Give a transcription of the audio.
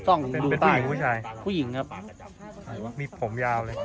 กล้องเป็นผู้หญิงผู้ชายผู้หญิงครับมีผมยาวเลย